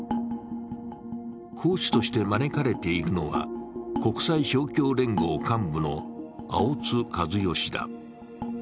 講師として招かれているのは国際勝共連合幹部の青津和代氏だ。